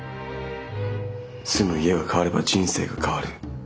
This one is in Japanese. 住む家が変われば人生が変わる。